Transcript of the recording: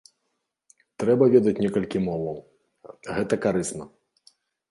Трэба ведаць некалькі моваў, гэта карысна.